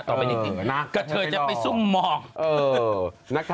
ต่อไปจริงกระเทยจะไปซุ่มมอง